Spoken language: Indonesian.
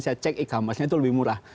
saya cek e commerce nya itu lebih murah